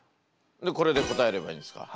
これで答えればいいんですか？